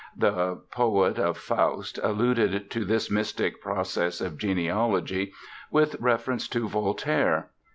The poet of Faust alluded to this mystic process of genealogy with reference to Voltaire.